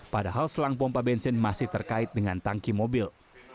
padahal selang pompa bensin masih terkait dengan tangki mobil